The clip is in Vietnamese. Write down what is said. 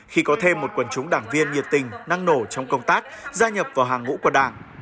khi có thêm một quần chúng đảng viên nhiệt tình năng nổ trong công tác gia nhập vào hàng ngũ của đảng